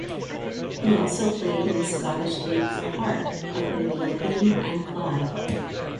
He also played in the Scottish League for Heart of Midlothian and Clyde.